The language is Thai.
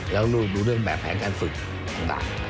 แล้วลูกดูเรื่องแบบแผนการฝึกต่าง